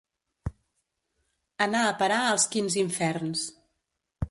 Anar a parar als quints inferns.